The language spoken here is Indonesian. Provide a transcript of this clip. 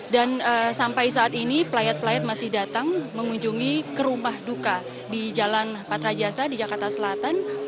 dan sampai saat ini pelayat pelayat masih datang mengunjungi ke rumah duka di jalan patra jasa di jakarta selatan